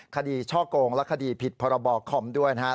ช่อกงและคดีผิดพรบคอมด้วยนะครับ